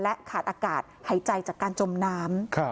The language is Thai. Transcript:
ขาดอากาศหายใจจากการจมน้ำ